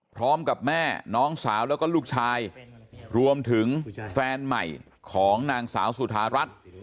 พร้อมกับแม่น้องสาวแล้วก็ลูกชายรวมถึงแฟนใหม่ของนางสาวสุธารัฐ